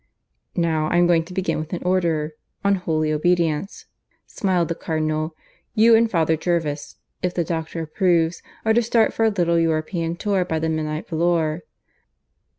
"Now, I'm going to begin with an order, on holy obedience," smiled the Cardinal. "You and Father Jervis if the doctor approves are to start for a little European tour by the midnight volor." "The